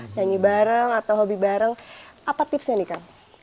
nyanyi bareng atau hobi bareng apa tipsnya nih kang